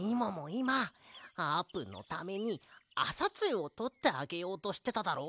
いまあーぷんのためにあさつゆをとってあげようとしてただろ？